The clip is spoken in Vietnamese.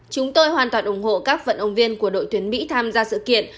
chúng tôi hoàn toàn ủng hộ các vận động viên của đội tuyển mỹ tham gia sự kiện